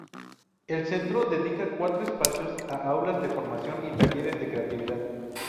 El centro dedica cuatro espacios a aulas de formación y talleres de creatividad.